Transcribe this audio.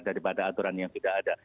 daripada aturan yang sudah ada